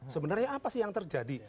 sebenarnya apa sih yang terjadi